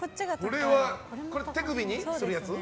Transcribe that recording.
これは手首にするやつ？